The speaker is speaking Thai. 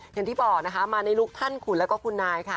ท่านติบอกคุณผู้ชมมาในลุคท่านขุนแล้วก็คุณนายค่ะ